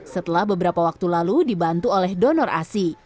setelah beberapa waktu lalu dibantu oleh donor asi